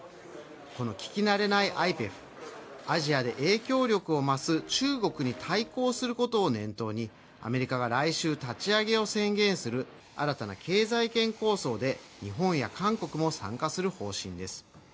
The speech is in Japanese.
この聞き慣れないＩＰＥＦアジアで影響力を増す中国に対抗することを念頭にアメリカが来週立ち上げを宣言する新たな経済圏構想で日本や韓国も参加する方針です。